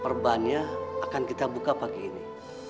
perbannya akan kita buka pagi ini